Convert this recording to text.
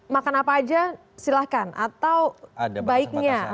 makan apa aja silahkan atau baiknya